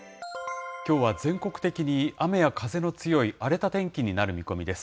きょうは全国的に雨や風の強い荒れた天気になる見込みです。